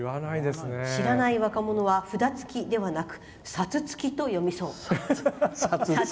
知らない若者は「ふだつき」ではなく「さつつき」と読みそう。